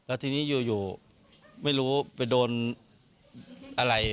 แล้วทีนี้อยู่ไม่รู้ไปโดนอะไร